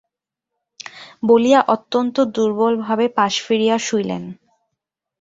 বলিয়া অত্যন্ত দুর্বলভাবে পাশ ফিরিয়া শুইলেন।